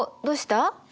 どうした？